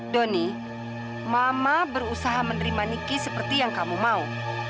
doni mama berusaha menerima niki seperti yang kamu mau